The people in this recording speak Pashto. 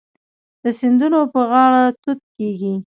د سیندونو په غاړه توت کیږي.